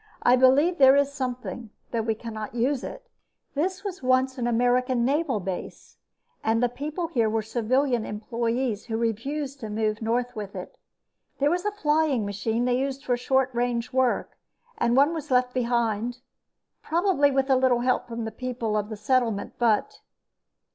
"I believe there is something, though we cannot use it. This was once an American naval base, and the people here were civilian employes who refused to move north with it. There was a flying machine they used for short range work, and one was left behind probably with a little help from the people of the settlement. But...."